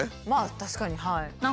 まあ確かにはい。